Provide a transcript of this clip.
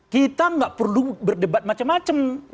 kita nggak perlu berdebat macam macam